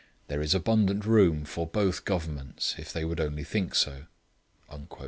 There is abundant room for both Governments, if they would only think so....'